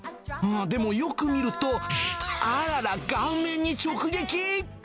でもよく見ると、あらら、顔面に直撃。